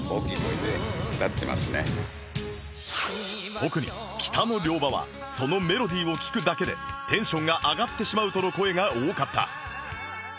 特に『北の漁場』はそのメロディーを聴くだけでテンションが上がってしまうとの声が多かった